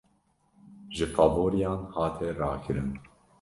Ji favoriyan hate rakirin.